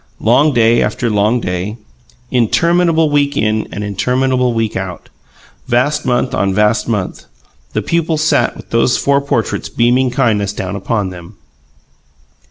Long day after long day, interminable week in and interminable week out, vast month on vast month, the pupils sat with those four portraits beaming kindness down upon them.